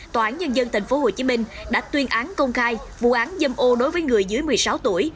tòa án nhân dân tp hcm đã tuyên án công khai vụ án dâm ô đối với người dưới một mươi sáu tuổi